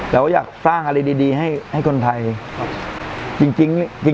แต่ว่าอยากสร้างอะไรดีให้คนไทย